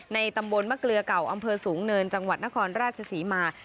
ตำบลมะเกลือเก่าอำเภอสูงเนินจังหวัดนครราชศรีมา